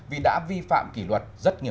vì đã vi phạm kỷ luật